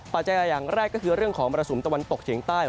อย่างแรกก็คือเรื่องของมรสุมตะวันตกเฉียงใต้